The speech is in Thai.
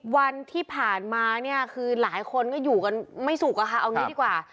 วันที่ผ่านมาเนี่ยคือหลายคนก็อยู่กันไม่สุขอะค่ะเอางี้ดีกว่า